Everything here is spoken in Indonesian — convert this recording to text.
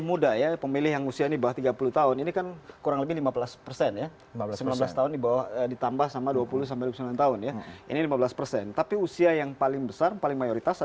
untuk bisa diperbaiki